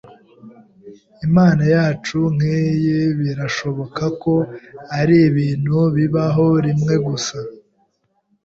Inama yacu nkiyi birashoboka ko aribintu bibaho rimwe gusa.